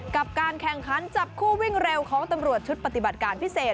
กับการแข่งขันจับคู่วิ่งเร็วของตำรวจชุดปฏิบัติการพิเศษ